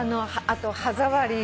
あと歯触り。